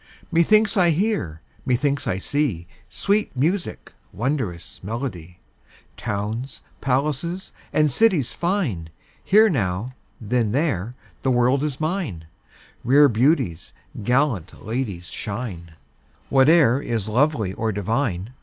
Methinks I hear, methinks I see, Sweet music, wondrous melody, Towns, palaces, and cities fine; Here now, then there; the world is mine, Rare beauties, gallant ladies shine, Whate'er is lovely or divine.